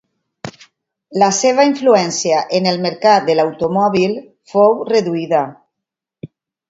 La seva influència en el mercat de l'automòbil fou reduïda.